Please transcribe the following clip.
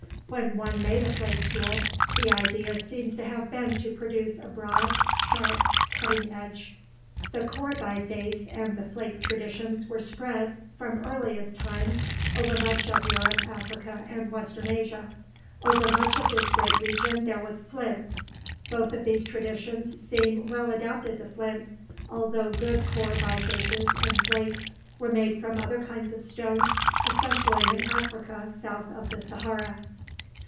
When one made a flake tool, the idea seems to have been to produce a broad, sharp, cutting edge. [Illustration: CLACTONIAN FLAKE] The core biface and the flake traditions were spread, from earliest times, over much of Europe, Africa, and western Asia. The map on page 52 shows the general area. Over much of this great region there was flint. Both of these traditions seem well adapted to flint, although good core bifaces and flakes were made from other kinds of stone, especially in Africa south of the Sahara.